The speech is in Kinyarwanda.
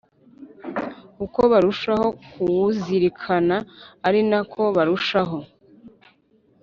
uko barushaho kuwuzirikana ari na ko barushaho